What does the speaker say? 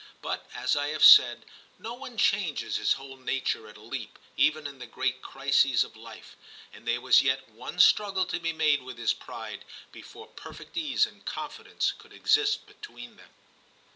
But, as I have said, no one changes his whole nature at a leap, even in the great crises of life ; and there was yet one struggle to be made with his pride before perfect ease and confidence could exist between them.